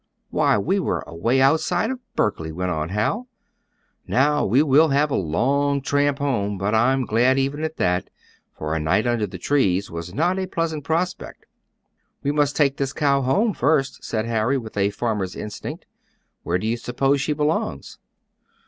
"Why, we are away outside of Berkley," went on Hal. "Now, we will have a long tramp home, but I'm glad even at that, for a night under the trees was not a pleasant prospect." "We must take this cow home first," said Harry, with a farmer's instinct. "Where do you suppose she belongs?"